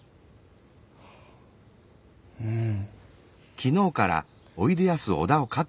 うん。